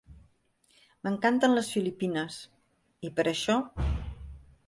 M'encanten les Filipines, i per això...